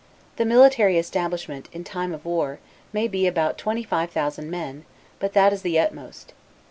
The military establishment, in time of war, may be about 25,000 men; but that is the utmost.